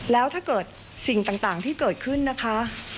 แล้วถ้าเกิดสิ่งต่างที่เกิดขึ้นนะคะ